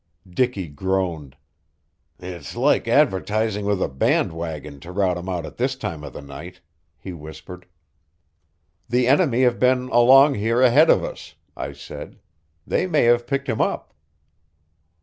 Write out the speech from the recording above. Dicky groaned. "It's like advertising with a band wagon to rout 'em out at this time of the night," he whispered. "The enemy have been along here ahead of us," I said. "They may have picked him up."